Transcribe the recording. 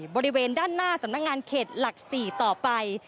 บริเวณด้านหน้าสำนักงานเขตหลัก๔ต่อไป